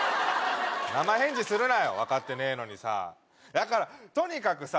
生返事するなよ分かってねえのにさだからとにかくさ